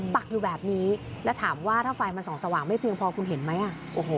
ปักอยู่แบบนี้แล้วถามว่าถ้าไฟมันส่องสว่างไม่เพียงพอคุณเห็นไหมอ่ะโอ้โห